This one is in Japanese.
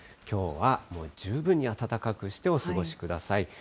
きょうは十分に暖かくしてお過ごしください。